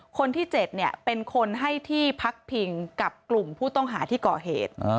คนที่๗เป็นคนให้ที่พักพิงกับกลุ่มผู้ต้องหาที่ก่อเหตุ